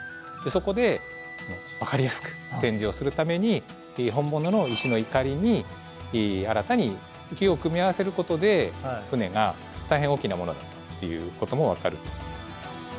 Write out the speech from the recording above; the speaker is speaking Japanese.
そこで分かりやすく展示をするために本物の石の碇に新たに木を組み合わせることで船が大変大きなものだっていうことも分かる。